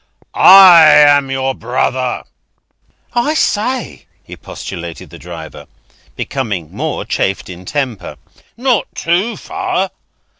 I am your brother." "I say!" expostulated the driver, becoming more chafed in temper, "not too fur!